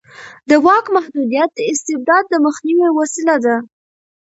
د واک محدودیت د استبداد د مخنیوي وسیله ده